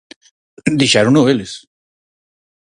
¡Dixérono eles!